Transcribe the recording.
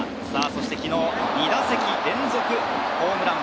そして昨日、２打席連続ホームラン。